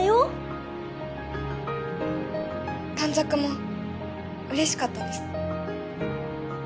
短冊もうれしかったです